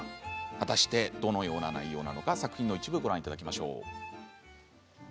果たして、どのような内容なのか作品の一部をご覧ください。